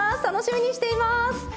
楽しみにしています。